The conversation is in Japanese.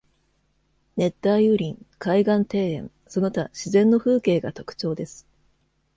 熱帯雨林、海岸庭園、その他自然の風景が特徴です。